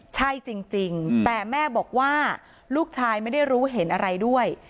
ใช่จริงแต่แม่บอกว่าลูกชายไม่ได้รู้เห็นอะไรด้วย